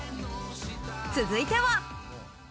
続いては。